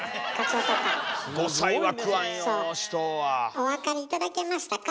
お分かり頂けましたか？